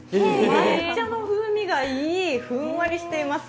抹茶の風味がいい、ふんわりしています。